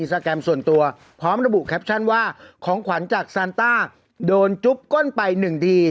จ่อนตัวพร้อมระบุแคปชั่นว่าของขวัญจากโดนจุ๊บก้นใบหนึ่งที